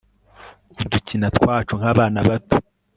udukina twacu nk'abana bato